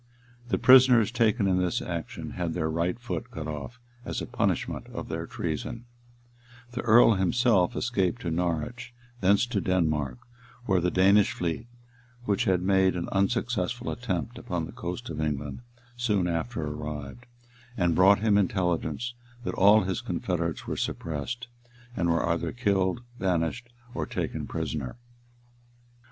The prisoners taken in this action had their right foot cut off, as a punishment of their treason the earl himself escaped to Norwich, thence to Denmark where the Danish fleet, which had made an unsuccessful attempt upon the coast of England,[*] soon after arrived, and brought him intelligence, that all his confederates were suppressed, and were either killed, banished, or taken prisoners.